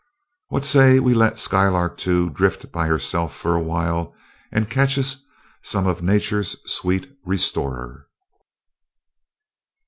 What say we let Skylark Two drift by herself for a while, and catch us some of Nature's sweet restorer?"